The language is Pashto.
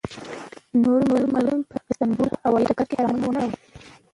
نورو ملګرو په استانبول هوایي ډګر کې احرامونه وتړل.